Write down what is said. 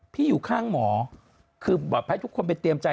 อยู่ข้างหมอคือแบบให้ทุกคนไปเตรียมใจ